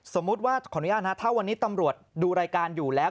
สมมุติว่าขออนุญาตนะถ้าวันนี้ตำรวจดูรายการอยู่แล้ว